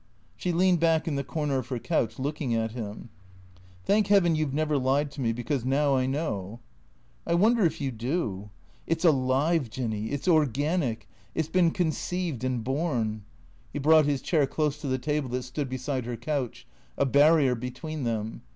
She leaned back in the corner of her couch, looking at him. " Thank heaven you 've never lied to me ; because now I know." " I wonder if you do. It 's alive, Jinny ; it 's organic ; it 's T H E C E E A T 0 li S 361 been conceived and born." He brought his chair close to the table that stood beside her couch, a barrier between them.